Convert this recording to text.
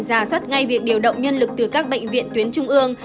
giả soát ngay việc điều động nhân lực từ các bệnh viện tuyến trung ương